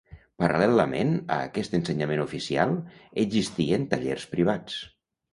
Paral·lelament a aquest ensenyament oficial, existien tallers privats.